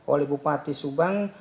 oleh bupati subang